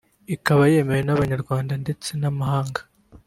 ikaba yemewe n’abanyarwanda ndetse n’amahanga